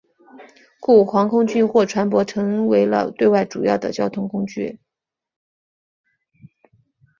故航空器或船舶成为了对外主要的交通工具。